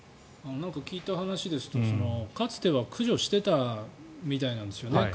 聞いた話ですとかつては駆除していたみたいなんですよね